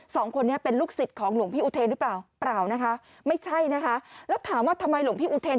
สองคนเป็นลูกศิษย์หรือเปล่าหลวงพี่อุเทน